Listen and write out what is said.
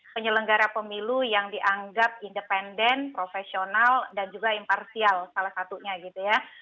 penyelenggara pemilu yang dianggap independen profesional dan juga imparsial salah satunya gitu ya